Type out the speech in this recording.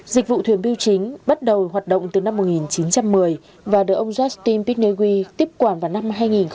dịch vụ thuyền biêu chính bắt đầu hoạt động từ năm một nghìn chín trăm một mươi và được ông justin pitnewi tiếp quản vào năm hai nghìn một mươi